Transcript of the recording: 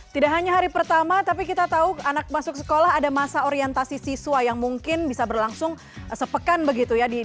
tidak hanya hari pertama tapi kita tahu anak masuk sekolah ada masa orientasi siswa yang mungkin bisa berlangsung sepekan begitu ya